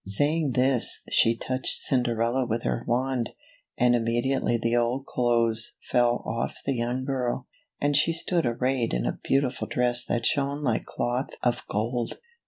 Saying this, she touched Cinderella with her wand, and immediately the old clothes fell off the young girl, and she stood arrayed in a beautiful dress that shone like cloth of gold.